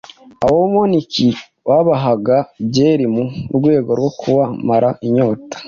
abamonaki babahaga byeri mu rwego rwo kubamara inyota